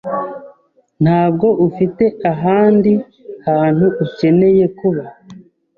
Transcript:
Ntabwo ufite ahandi hantu ukeneye kuba?